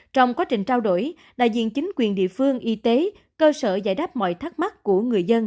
trong quá trình trao đổi đại diện chính quyền địa phương y tế cơ sở giải đáp mọi thắc mắc của người dân